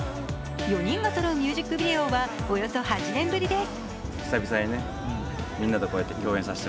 ４人がそろうミュージックビデオはおよそ８年ぶりです。